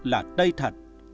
là tây thật